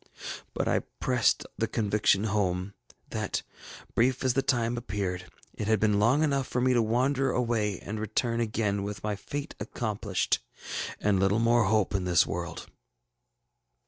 But I pressed the conviction home, that, brief as the time appeared, it had been long enough for me to wander away and return again, with my fate accomplished, and little more hope in this world.